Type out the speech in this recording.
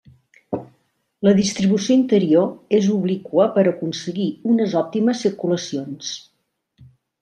La distribució interior és obliqua per aconseguir unes òptimes circulacions.